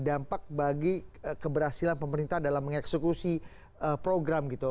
dampak bagi keberhasilan pemerintah dalam mengeksekusi program gitu